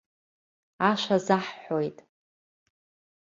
Ашәа азаҳҳәоит!